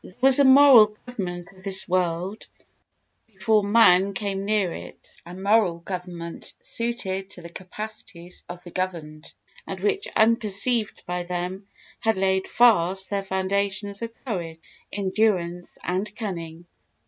There was a moral government of this world before man came near it—a moral government suited to the capacities of the governed, and which, unperceived by them, has laid fast the foundations of courage, endurance and cunning.